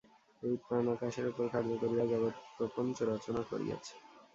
এই প্রাণ আকাশের উপর কার্য করিয়া জগৎপ্রপঞ্চ রচনা করিয়াছে।